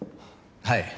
はい。